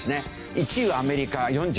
１位はアメリカ４１人。